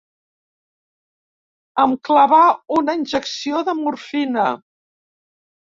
Em clavà una injecció de morfina